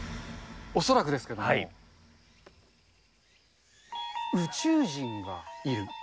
恐らくですけども、宇宙人がいる。